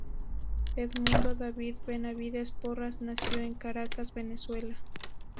Edmundo David Benavides Porras nació en Caracas, Venezuela.